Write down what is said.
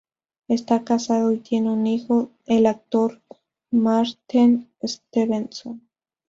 Está casado y tiene un hijo, el actor Maarten Stevenson.